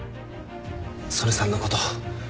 曽根さんのこと。